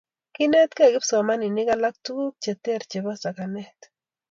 kiinetgei kipsomaninik alak tuguk che ter chebo sakanet